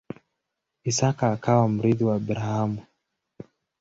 Isaka akawa mrithi wa Abrahamu.